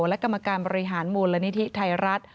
และกรรมการบริหารมูลนิธิไทยรัฐ